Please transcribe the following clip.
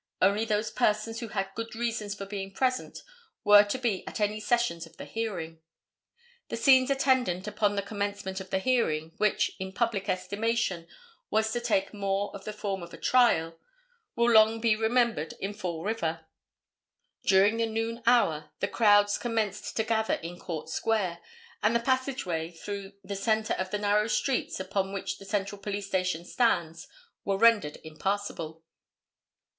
Only those persons who had good reasons for being present were to be at any sessions of the hearing. The scenes attendant upon the commencement of the hearing, which, in public estimation was to take more of the form of a trial, will long be remembered in Fall River. During the noon hour the crowds commenced to gather in Court Square, and the passageway through the centre of the narrow streets upon which the Central Police Station stands was rendered impassable.